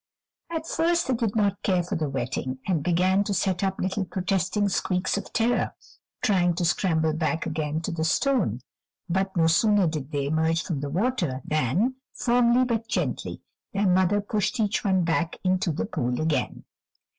At first they did not care for the wetting, and began to set up little protesting squeaks of terror, trying to scramble back again to the stone. But no sooner did they emerge from the water than, firmly, but gently, their mother pushed each one back into the pool again.